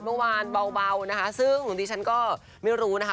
เมื่อวานเบานะคะซึ่งดิฉันก็ไม่รู้นะคะ